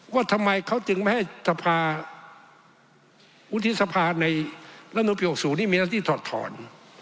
ว่าทำไมเขาจึงไม่ให้ทรภาอุทิศภาในละนุปยกษุนี้มีนักที่ถอดถอน